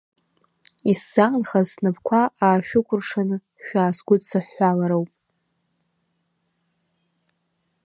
Исзаанхаз снапқәа аашәыкәыршан шәаасгәыдсыҳәҳәалароуп.